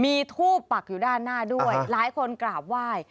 มีทูบปักอยู่ด้านหน้าด้วยหลายคนกราบไหว้